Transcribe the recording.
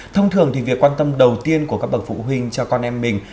thông thường thì việc quan tâm đầu tiên của các bậc phụ huynh cho con em mình